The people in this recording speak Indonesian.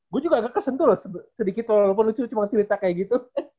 gue juga agak kesentuh loh sedikit walaupun lucu cuma cerita kayak gitu